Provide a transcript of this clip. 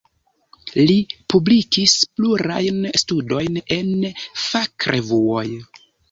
Li publikis plurajn studojn en fakrevuoj.